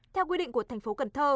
theo quy định của tp hcm